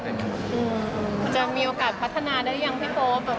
อืมเจอมีโอกาสพัฒนาได้ยังพี่โพ๊ป